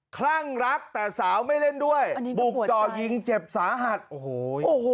คลั่งรักแต่สาวไม่เล่นด้วยบุกจ่อยิงเจ็บสาหัสโอ้โหโอ้โห